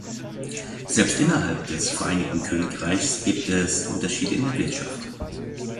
Selbst innerhalb des Vereinigten Königreichs gibt es Unterschiede in der Wirtschaft.